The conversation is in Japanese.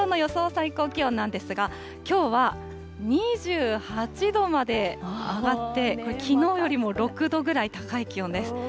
最高気温なんですが、きょうは２８度まで上がって、これ、きのうよりも６度ぐらい高い気温です。